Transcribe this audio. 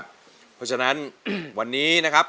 เพราะฉะนั้นวันนี้นะครับ